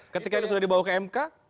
ketika itu sudah dibawa ke mk